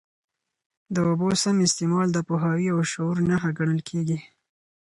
د اوبو سم استعمال د پوهاوي او شعور نښه ګڼل کېږي.